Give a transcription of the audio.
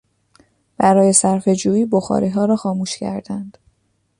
برای صرفه جویی بخاریها را خاموش کردند.